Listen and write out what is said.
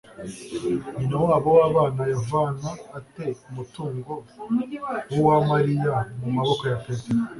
nyinawabo w'abana yavana ate umutungo w'uwamariya mu maboko ya petero